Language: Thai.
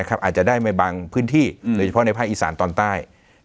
อาจจะได้ในบางพื้นที่โดยเฉพาะในภาคอีสานตอนใต้